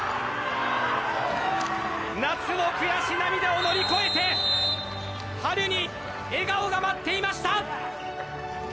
夏の悔し涙を乗り越えて春に笑顔が待っていました！